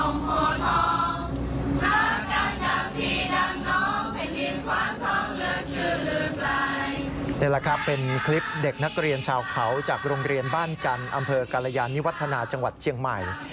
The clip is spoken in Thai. นี่แหละครับเป็นคลิปเด็กนักเรียนชาวเขาจากโรงเรียนบ้านจันทร์อำเภอกรยานิวัฒนาจังหวัดเชียงใหม่